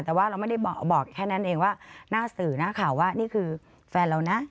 แต่ว่าเราไม่ได้บอกแค่นั้นเองว่าหน้าสื่อหน้าข่าวว่านี่คือแฟนเรานะ